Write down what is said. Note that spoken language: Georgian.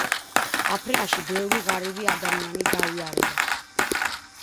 აფრიკაში ბევრი ღარიბი ადამიანი დაიარება